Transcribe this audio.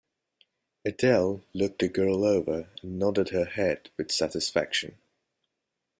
Adele looked the girl over and nodded her head with satisfaction.